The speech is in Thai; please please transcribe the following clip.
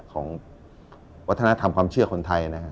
ของวัฒนธรรมความเชื่อคนไทยนะฮะ